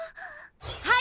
はい！